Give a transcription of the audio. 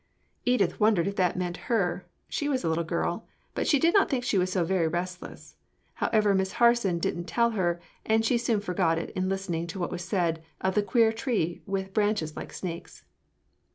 Edith wondered if that meant her; she was a little girl, but she did not think she was so very restless. However, Miss Harson didn't tell her, and she soon forgot it in listening to what was said of the queer tree with branches like snakes.